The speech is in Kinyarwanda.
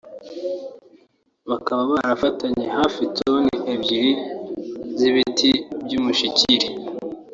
bakaba barafatanywe hafi toni ebyiri z’ibiti by’umushikiri